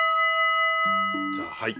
じゃあはい。